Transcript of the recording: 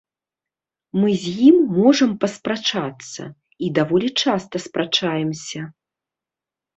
Мы з ім можам паспрачацца, і даволі часта спрачаемся.